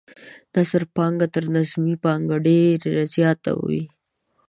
نثري پانګه تر نظمي پانګې ډیره زیاته وي.